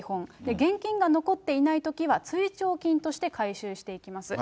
現金が残っていないときは追徴金として回収していきます。